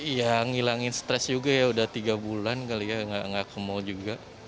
ya ngilangin stres juga ya udah tiga bulan kali ya enggak kemau juga